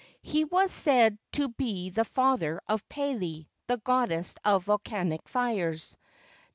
He was said to be the father of Pele, the goddess of volcanic fires.